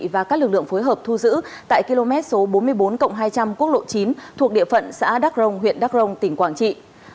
và các lực lượng phối hợp thu giữ tại km bốn mươi bốn hai trăm linh quốc lộ chín thuộc địa phận xã đắc rồng huyện đắc rồng tỉnh quảng trị